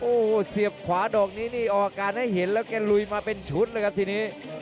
โอ้โหเสียบขวาดอกนี้นี่ออกอาการให้เห็นแล้วแกลุยมาเป็นชุดเลยครับทีนี้